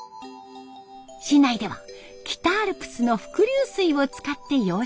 市内では北アルプスの伏流水を使って養殖。